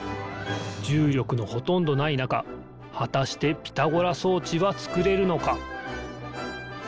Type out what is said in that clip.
じゅうりょくのほとんどないなかはたしてピタゴラそうちはつくれるのか？